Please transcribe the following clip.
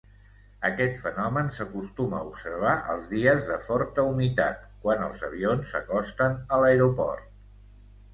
Aquest fenomen s'acostuma a observar els dies de forta humitat quan els avions s'acosten a l'aeroport.